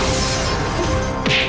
ayo kita berdua